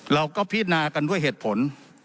เราก็พินากันด้วยเหตุผล